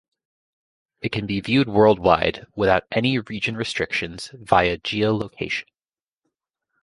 It can be viewed worldwide, without any region restrictions via geolocation.